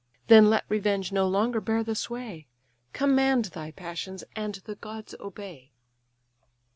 Then let revenge no longer bear the sway; Command thy passions, and the gods obey."